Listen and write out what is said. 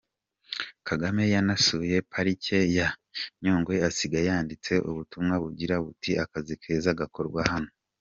Kagame yanasuye Parike ya Nyungwe asiga yanditse ubutumwa bugira buti "Akazi keza gakorwa hano.